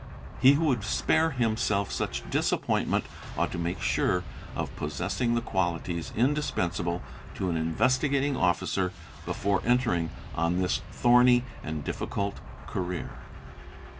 He who would spare himself such disappointment ought to make sure of possessing the qualities indispensable to an Investigating Officer before entering on this thorny — and difficult career.